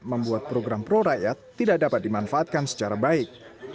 membuat program pro rakyat tidak dapat dimanfaatkan secara baik